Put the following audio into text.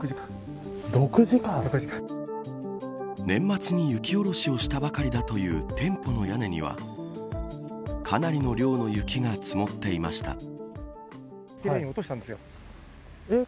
年末に雪下ろしをしたばかりだという店舗の屋根にはかなりの量の雪が積もっていました。